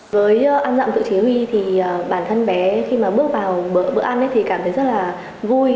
với ăn dặm tự chế huy thì bản thân bé khi mà bước vào bữa ăn thì cảm thấy rất là vui